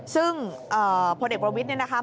ซึ่งพลเอกประวิทย์เนี่ยนะคะ